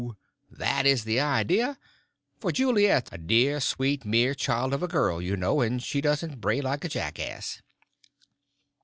that is the idea; for Juliet's a dear sweet mere child of a girl, you know, and she doesn't bray like a jackass."